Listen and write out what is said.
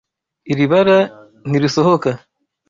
Iri bara ntirisohoka.